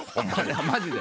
マジで。